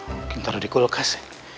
mungkin taruh di kulkas